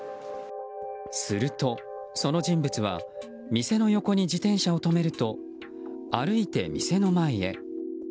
すると、その人物は店の横に自転車を止めると歩いて店の前へ。